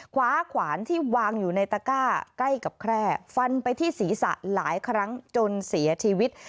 ขวานที่วางอยู่ในตะก้าใกล้กับแคร่ฟันไปที่ศีรษะหลายครั้งจนเสียชีวิต